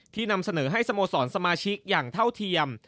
นำเสนอให้สโมสรสมาชิกอย่างเท่าเทียม